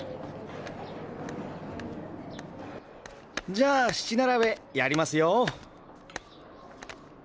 じゃあ七並べやりますよ。